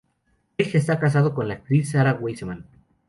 Craig está casado con la actriz Sara Wiseman.